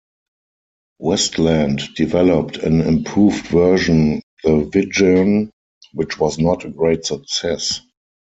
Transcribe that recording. Westland developed an improved version the Widgeon which was not a great success.